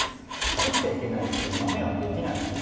作っちゃいけないしマメはできないんです。